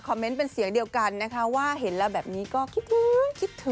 เมนต์เป็นเสียงเดียวกันนะคะว่าเห็นแล้วแบบนี้ก็คิดถึงคิดถึง